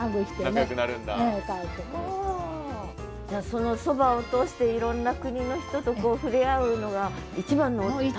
そのそばを通していろんな国の人と触れ合うのが一番の楽しみ？